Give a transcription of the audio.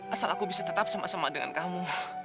asal aku bisa tetap sama sama dengan kamu